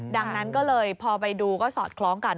ดังนั้นก็เลยพอไปดูก็สอดคล้องกัน